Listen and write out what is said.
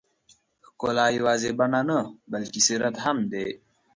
ښکلا یوازې بڼه نه، بلکې سیرت هم دی.